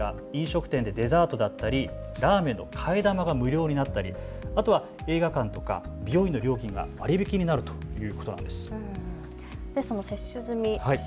例えば飲食店でデザートだったりラーメンの替え玉が無料になったり、あとは映画館とか美容院の料金が割り引きになるということです。